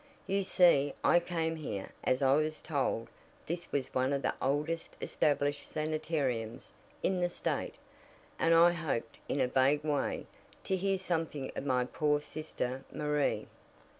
You see, I came here, as I was told this was one of the oldest established sanitariums in the State, and I hoped, in a vague way, to hear something of my poor sister Marie."